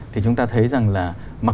thì chúng ta thấy rằng là